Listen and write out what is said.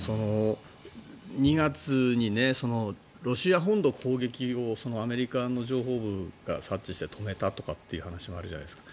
２月にロシア本土攻撃をアメリカの情報部が察知して止めたという話があるじゃないですか。